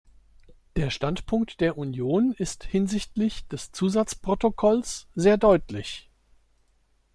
Der Standpunkt der Union ist hinsichtlich des Zusatzprotokolls sehr deutlich.